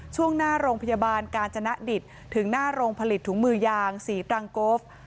ช่วงหน้าโรงพยาบาลกาญจนดิตถึงหน้าโรงผลิตถุงมือยางสีตรังโกฟ